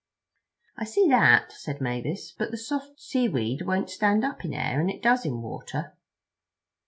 "I see that," said Mavis, "but the soft seaweed won't stand up in air, and it does in water."